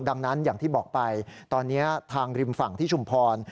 ดังนั้นอย่างที่บอกไปตอนนี้ทางริมฝั่งที่ชุมพร